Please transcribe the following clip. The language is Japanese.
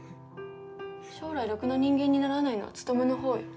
将来ろくな人間にならないのは努の方よ。